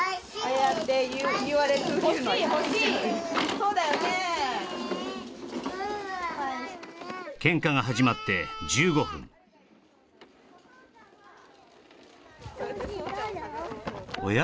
そうだよねえケンカが始まって１５分おや？